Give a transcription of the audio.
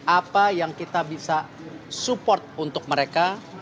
apa yang kita bisa support untuk mereka